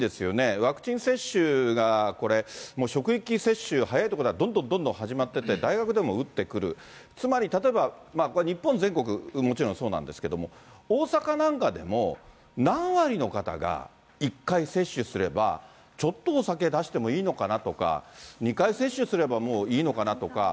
ワクチン接種が、職域接種、早い所はどんどんどんどん始まってて、大学でも打ってくる、つまり例えば、これ、日本全国もちろんそうなんですけれども、大阪なんかでも、何割の方が１回接種すれば、ちょっとお酒出してもいいのかなとか、２回接種すれば、もういいのかなとか。